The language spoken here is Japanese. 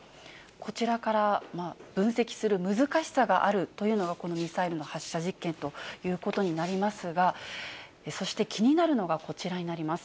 こちらから分析する難しさがあるというのが、このミサイルの発射実験ということになりますが、そして気になるのがこちらになります。